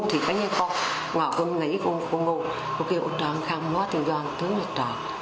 thì có như cô ngỏ cô nghĩ cô ngu cô kêu cô đơn không cô nói tự do tự do tự do